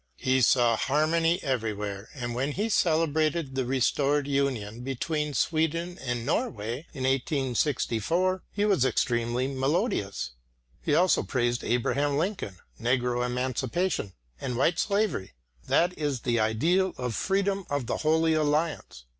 He saw harmony everywhere, and when he celebrated the restored union between Sweden and Norway in 1864, he was extremely melodious. He also praised Abraham Lincoln; negro emancipation and white slavery that is the ideal of freedom of the Holy Alliance!